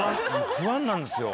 不安なんですよ。